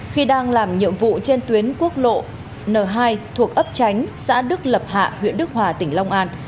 khi đang làm nhiệm vụ trên tuyến quốc lộ n hai thuộc ấp tránh xã đức lập hạ huyện đức hòa tỉnh long an